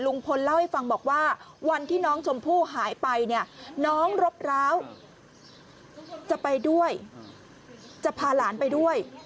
เล่าให้ฟังบอกว่าวันที่น้องชมพู่หายไปเนี่ยน้องรบร้าวจะไปด้วยจะพาหลานไปด้วย